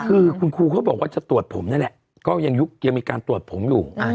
คือคุณครูเขาบอกว่าจะตรวจผมนั่นแหละก็ยังมีการตรวจผมอยู่